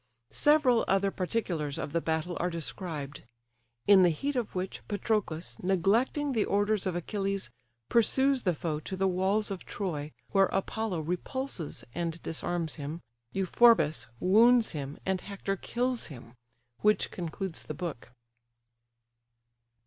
Several other particulars of the battle are described; in the heat of which, Patroclus, neglecting the orders of Achilles, pursues the foe to the walls of Troy, where Apollo repulses and disarms him, Euphorbus wounds him, and Hector kills him, which concludes the book.